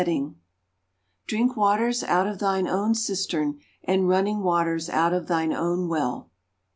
DESIGN "_Drink waters out of thine own cistern, and running waters out of thine own well.